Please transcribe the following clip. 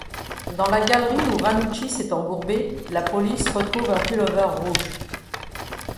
Dans la galerie où Ranucci s'est embourbé, la police retrouve un pull-over rouge.